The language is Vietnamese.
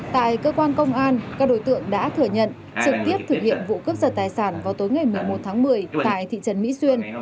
tại cơ quan công an các đối tượng đã thừa nhận trực tiếp thực hiện vụ cướp giật tài sản vào tối ngày một mươi một tháng một mươi tại thị trấn mỹ xuyên